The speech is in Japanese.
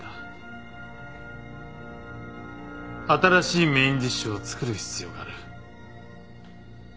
新しいメインディッシュを作る必要がある。